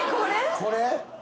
これ。